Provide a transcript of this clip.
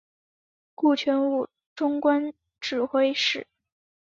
顾全武终官指挥使。